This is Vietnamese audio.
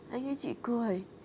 anh ấy chỉ cười